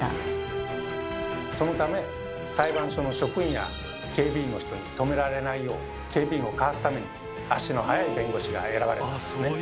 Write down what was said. そのため裁判所の職員や警備員の人に止められないよう警備員をかわすために足の速い弁護士が選ばれたんですね。